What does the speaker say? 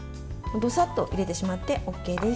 どさっと入れてしまってＯＫです。